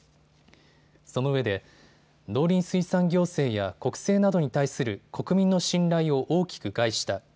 そのうえで農林水産行政や国政などに対する国民の信頼を大きく害した。